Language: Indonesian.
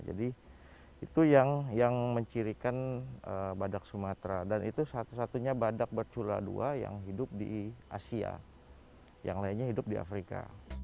jadi itu yang mencirikan badak sumatera dan itu satu satunya badak bercula dua yang hidup di asia yang lainnya hidup di afrika